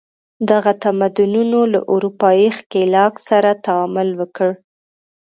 دغه تمدنونو له اروپايي ښکېلاک سره تعامل وکړ.